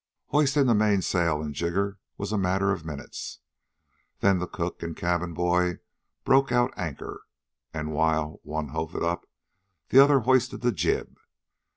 Hoisting mainsail and jigger was a matter of minutes. Then the cook and cabin boy broke out anchor, and, while one hove it up, the other hoisted the jib.